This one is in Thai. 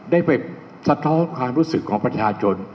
ได้ไปสะท้อนความรู้สึกของประชาชน